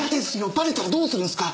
ばれたらどうするんすか？